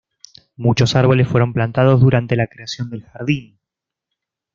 Muchos árboles fueron plantados durante la creación del jardín.